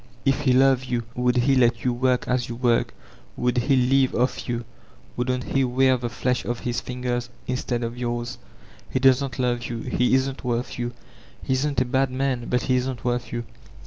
If he loved you, would he let you work as yoo work? Would he live off you? Wouldn't he wear the flesh off his fingers instead of yours? He doesn't love you. He isn't worth you. He isn't a bad man, but he isn't worth you.